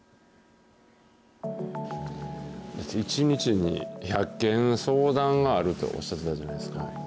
１日に１００件、相談があるとおっしゃってたじゃないですか。